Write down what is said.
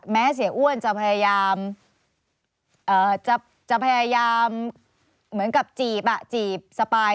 แม้เสียอ้วนจะพยายามจะพยายามเหมือนกับจีบจีบสปาย